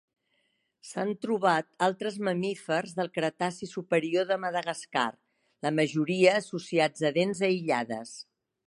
S'han trobat altres mamífers del Cretaci superior de Madagascar, la majoria associats a dents aïllades.